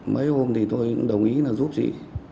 mấy hôm tôi đồng ý giúp chị